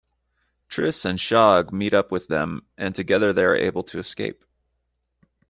Triss and Shogg meet up with them, and together they are able to escape.